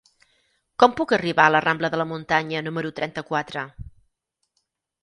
Com puc arribar a la rambla de la Muntanya número trenta-quatre?